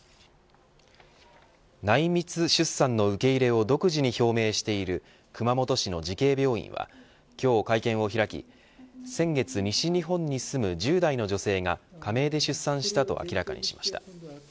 内密出産の受け入れを独自に表明している熊本市の慈恵病院は今日会見を開き先月西日本に住む１０代の女性が仮名で出産したと明らかにしました。